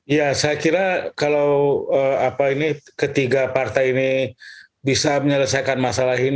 ya saya kira kalau ketiga partai ini bisa menyelesaikan masalah ini